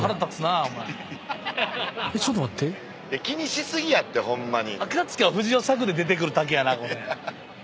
「気にし過ぎやってホンマに」